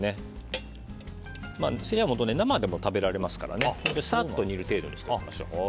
セリは生でも食べられますからさっと煮る程度にしておきましょう。